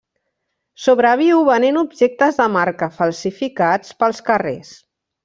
Sobreviu venent objectes de marca falsificats pels carrers.